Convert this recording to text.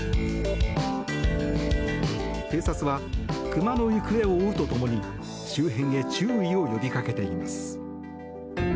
警察は熊の行方を追うとともに周辺へ注意を呼びかけています。